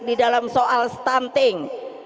di dalam soal stunting